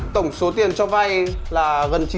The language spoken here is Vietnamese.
tổng số tiền cho vay là gần chín trăm linh triệu